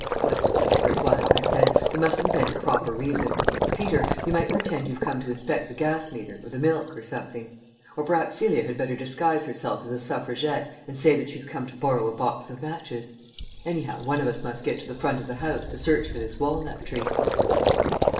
"Well, whatever it was," I said, "we must invent a proper reason. Peter, you might pretend you've come to inspect the gas meter or the milk or something. Or perhaps Celia had better disguise herself as a Suffragette and say that she's come to borrow a box of matches. Anyhow, one of us must get to the front of the house to search for this walnut tree."